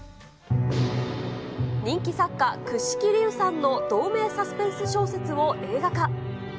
人気作家、櫛木理宇さんの同名サスペンス小説を映画化。